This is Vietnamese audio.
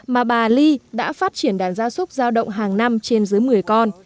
mà bà ly đã phát triển đàn gia súc giao động hàng năm trên dưới một mươi con